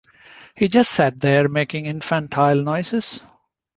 He just sat there making infantile noises.